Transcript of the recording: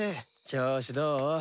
調子どう？